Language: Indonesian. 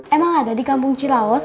emang ada di kampung cilawas